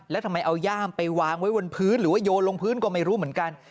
แล้วทำไมเอาย่ามไปวางไว้บนพื้นหรือว่าโยนลงพื้นก็ไม่รู้เหมือนกัน